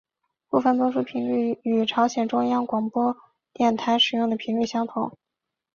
部分播出频率与朝鲜中央广播电台使用的频率相同。